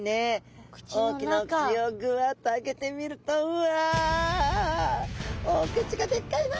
大きなお口をぐわっと開けてみるとうわお口がでっかいな！